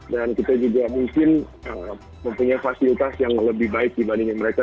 dan kita juga mungkin mempunyai fasilitas yang lebih baik dibanding mereka